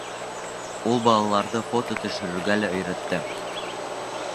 Ул балаларҙы фото төшөрөргә лә өйрәтте.